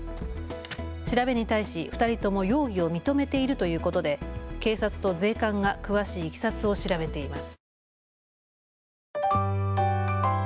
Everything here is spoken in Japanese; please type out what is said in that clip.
調べに対し２人とも容疑を認めているということで警察と税関が詳しいいきさつを調べています。